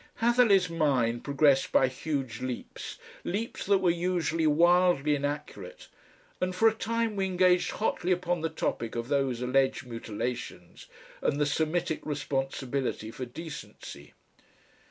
Hatherleigh's mind progressed by huge leaps, leaps that were usually wildly inaccurate, and for a time we engaged hotly upon the topic of those alleged mutilations and the Semitic responsibility for decency.